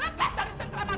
jangan tante jangan